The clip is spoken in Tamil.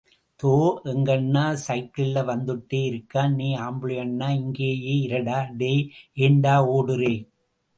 தோ.. எங்கண்ணா சைக்கிள்ல வந்துட்டே இருக்கான், நீ ஆம்புளைன்னா இங்கேயே இருடா... டேய்... ஏண்டா ஓடுறே...?